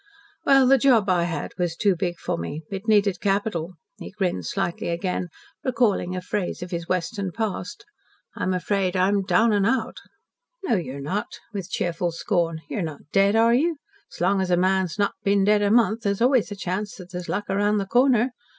"Well, the job I had was too big for me. It needed capital." He grinned slightly again, recalling a phrase of his Western past. "I'm afraid I'm down and out." "No, you're not," with cheerful scorn. "You're not dead, are you? S'long as a man's not been dead a month, there's always a chance that there's luck round the corner.